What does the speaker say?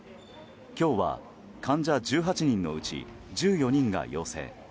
今日は患者１８人のうち１４人が陽性。